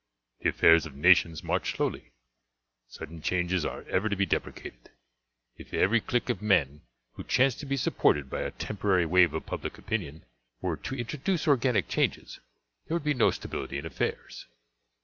The affairs of nations march slowly; sudden changes are ever to be deprecated. If every clique of men who chance to be supported by a temporary wave of public opinion, were to introduce organic changes, there would be no stability in affairs.